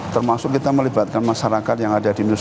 termasuk kita melibatkan masyarakat yang ada di indonesia